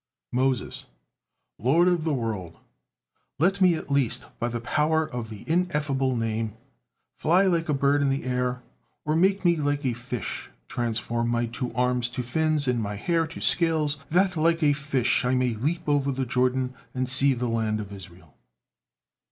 Moses: "Lord of the world! Let me at least, by the power of the Ineffable Name, fly like a bird in the air; or make me like a fish transform my two arms to fins and my hair to scales, that like a fish I may leap over the Jordan and see the land of Israel."